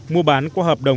mua bán qua hợp đồng